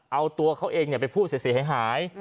เอาตัวเขาเองไปพูดเสียหาย